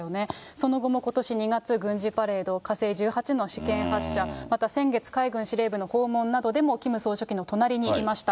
その後もことし２月、軍事パレード火星１８の試験発射、また先月、海軍司令部の訪問などでもキム総書記の隣にいました。